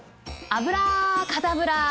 アブラカダブラ。